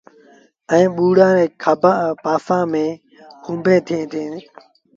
ائيٚݩ ٻوڙآن ري پاسآݩ ميݩ کونڀيٚن ٿئيٚݩ ديٚݩ۔